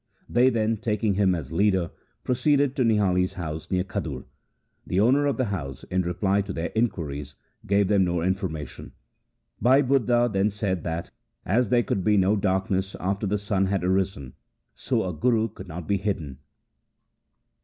They then, taking him as leader, proceeded to Nihali' s house near Khadur. The owner of the house in reply to their inquiries gave them no information. Bhai Budha then said that, as there could be no darkness after the sun had arisen, so a Guru could not be hidden.